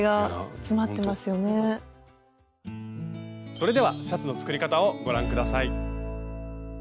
それではシャツの作り方をご覧下さい。